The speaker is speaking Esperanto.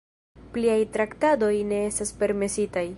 Pliaj traktadoj ne estas permesitaj.